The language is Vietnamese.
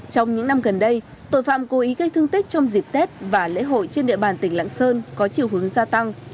trong những năm gần đây tội phạm cố ý gây thương tích trong dịp tết và lễ hội trên địa bàn tỉnh lạng sơn có chiều hướng gia tăng